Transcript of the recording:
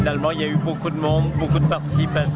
dan akhirnya ada banyak orang banyak pertunjukan